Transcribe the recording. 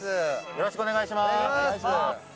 よろしくお願いします。